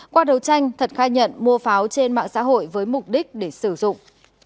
qua đấu tranh thật khai nhận mua pháo trên mạng xã hội với mục đích để sử dụng